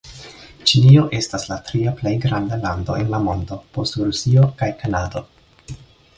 Ĉinio estas la tria plej granda lando en la mondo, post Rusio kaj Kanado.